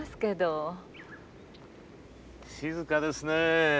静かですね。